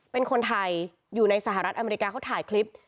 เป็นคนไทยอยู่ในสหรัฐอเมริกาเขาถ่ายคลิป